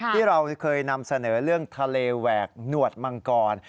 ที่เราเคยนำเสนอเรื่องทะเลแหวกหนวดมังกร